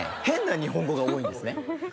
変な日本語が多いんですね。